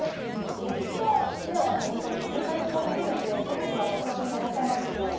歴史は本当に世界史も含めてすごくお得意でいらっしゃいますけど。